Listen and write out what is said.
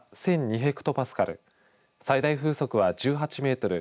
ヘクトパスカル最大風速は１８メートル